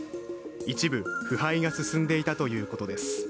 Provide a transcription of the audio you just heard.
一部、腐敗が進んでいたということです。